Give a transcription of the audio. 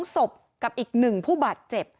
๒ศพกับอีก๑ผู้บาดเจ็บ